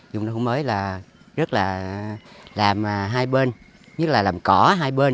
hòa đạo vừa mới là rất là làm hai bên nhất là làm cỏ hai bên